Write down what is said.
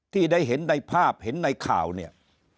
ที่ได้เห็นในภาพเห็นในข่าวเนี่ย